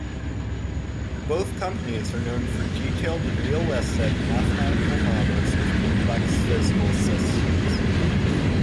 Both companies are known for detailed and realistic mathematical models of complex physical systems.